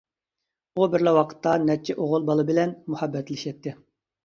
ئۇ بىرلا ۋاقىتتا نەچچە ئوغۇل بالا بىلەن مۇھەببەتلىشەتتى.